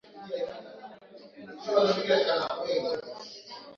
Rwanda inasisitizwa kwamba jamuhuri ya demokrasia ya Kongo na Rwanda hawafai kuwa wapinzani